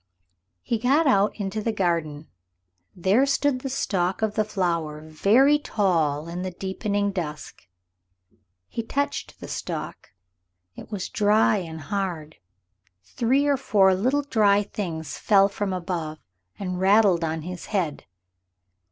He got out into the garden there stood the stalk of the flower very tall in the deepening dusk. He touched the stalk. It was dry and hard three or four little dry things fell from above and rattled on his head.